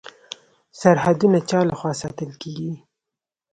سرحدونه چا لخوا ساتل کیږي؟